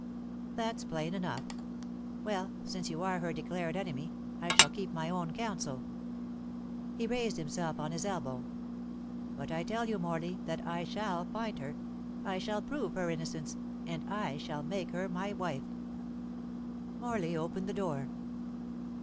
"That's plain enough. Well, since you are her declared enemy, I shall keep my own counsel." He raised himself on his elbow. "But I tell you, Morley, that I shall find her. I shall prove her innocence, and I shall make her my wife." Morley opened the door.